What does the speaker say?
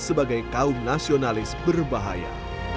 sebagai kaum nasionalis berbahaya